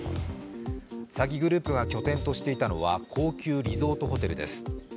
詐欺グループが拠点としていたのは、高級リゾートホテルです。